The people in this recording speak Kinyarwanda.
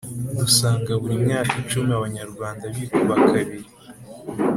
dusanga buri myaka icumi abanyarwanda bikuba kabiri.